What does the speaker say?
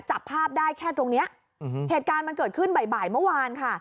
จับภาพได้แค่ตรงเนี้ยอืมเหตุการณ์มันเกิดขึ้นบ่ายบ่ายเมื่อวานค่ะ